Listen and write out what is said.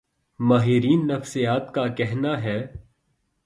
ماہرین نفسیات کا کہنا ہے